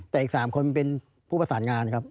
แต่อีก๓คนเป็นผู้ประสานงานครับ